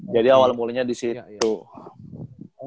jadi awal mulanya disitu